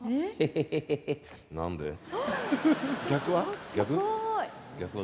逆は？